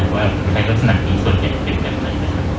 ว่าใครก็สนับมีส่วนใหญ่เกี่ยวกับใครนะครับ